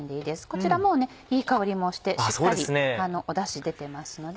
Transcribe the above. こちらもうねいい香りもしてしっかりダシ出てますので。